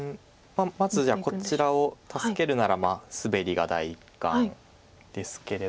まずじゃあこちらを助けるならスベリが第一感ですけれども。